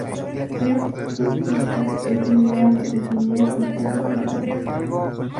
Un "sweet sixteen" es similar a la quinceañera hispanoamericana.